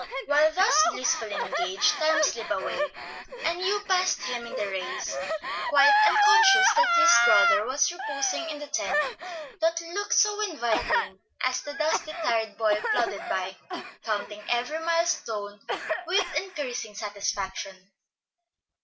While thus blissfully engaged, time slipped away, and Hugh passed him in the race, quite unconscious that his brother was reposing in the tent that looked so inviting as the dusty, tired boy plodded by, counting every mile stone with increasing satisfaction.